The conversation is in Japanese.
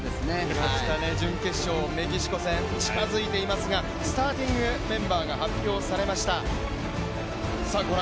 準決勝、メキシコ戦近づいていますがスターティングメンバーが発表されました。